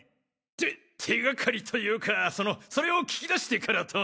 て手がかりというかそのそれを聞き出してからと。